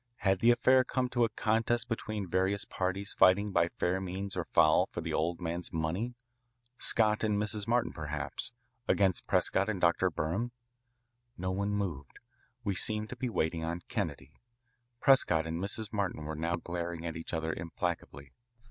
Had the affair come to a contest between various parties fighting by fair means or foul for the old man's money Scott and Mrs. Martin perhaps =20 against Prescott and Dr. Burnham? No one moved. We seemed to be waiting on Kennedy. Prescott and Mrs. Martin were now glaring at each other implacably.